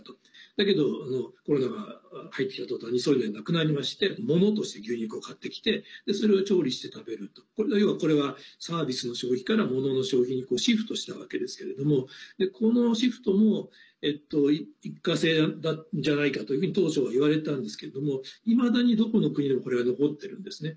だけど、コロナが入ってきたとたんにそういうのはなくなりましてモノとして牛肉を買ってきてそれを調理して食べると。これは要はサービスの消費からモノの消費にシフトしたわけですけれどもこのシフトも一過性じゃないかというふうに当初は言われたんですけれどもいまだに、どこの国でもこれが残っているんですね。